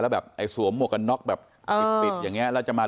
แล้วแบบไอ้สวมหัวกันนอกแบบเอ่ออย่างเนี้ยเราจะมา